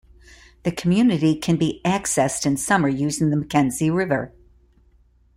The community can be accessed in summer using the Mackenzie River.